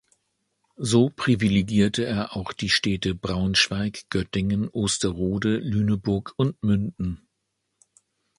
So privilegierte er auch die Städte Braunschweig, Göttingen, Osterode, Lüneburg und Münden.